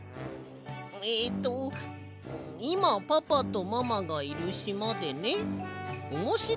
えっと「いまパパとママがいるしまでねおもしろいおもちゃをみつけたの。